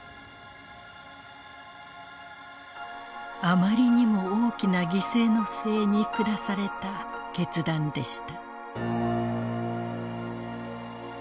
あまりにも大きな犠牲の末に下された決断でした。